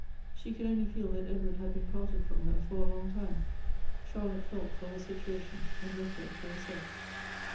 She could only feel that Edward had been parted from her for a long time. Charlotte felt for her situation, and left her to herself.